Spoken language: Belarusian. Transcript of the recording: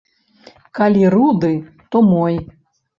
Калі руды, то мой.